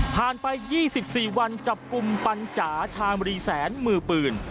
ไป๒๔วันจับกลุ่มปัญจ๋าชามรีแสนมือปืน